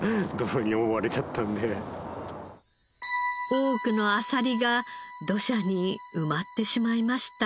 多くのあさりが土砂に埋まってしまいました。